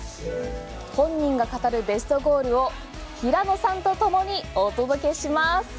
本人が語るベストゴールを平野さんとともにお届けします。